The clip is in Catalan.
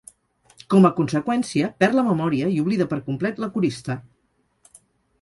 Com a conseqüència, perd la memòria i oblida per complet la corista.